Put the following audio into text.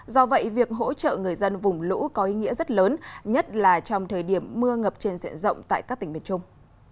do vậy việc hỗ trợ người dân vùng lũ có ý nghĩa rất lớn nhất là trong thời điểm mưa ngập trên diện rộng tại các tỉnh miền trung